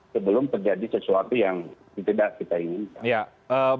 sebelum terjadi sesuatu yang tidak kita inginkan